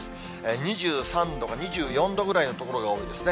２３度か、２４度くらいの所が多いですね。